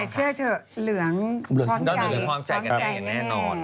เชื่อเถอะเหลืองพร้อมใจกันได้อย่างแน่นอน